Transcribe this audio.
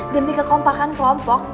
demi kekompakan kelompok